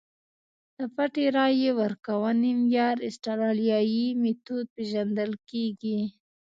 د پټې رایې ورکونې معیار اسټرالیايي میتود پېژندل کېږي.